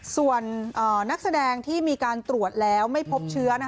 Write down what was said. ส่วนนักแสดงที่มีการตรวจแล้วไม่พบเชื้อ